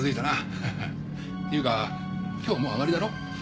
っていうか今日はもう上がりだろ。